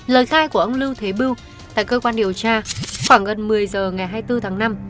lời khai của ông lưu thế bưu tại cơ quan điều tra khoảng gần một mươi giờ ngày hai mươi bốn tháng năm